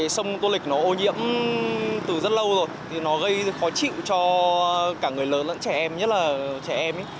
sông tô lịch nó ô nhiễm từ rất lâu rồi thì nó gây khó chịu cho cả người lớn lẫn trẻ em nhất là trẻ em